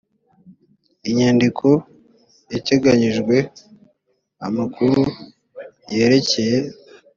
inyandiko iteganyijwe amakuru yerekeye